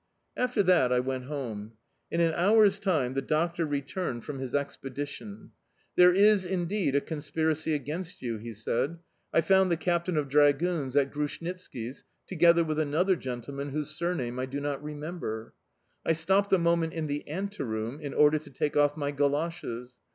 After that I went home. In an hour's time the doctor returned from his expedition. "There is indeed a conspiracy against you," he said. "I found the captain of dragoons at Grushnitski's, together with another gentleman whose surname I do not remember. I stopped a moment in the ante room, in order to take off my goloshes.